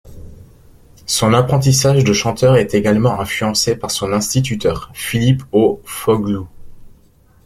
Son apprentissage de chanteur est également influencé par son instituteur, Pilip O' Foghlu.